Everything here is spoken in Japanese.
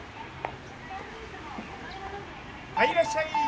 はいいらっしゃい！